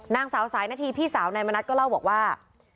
นางสาวสายนาธีพี่สาวนายมณัฐก็เล่าบอกว่า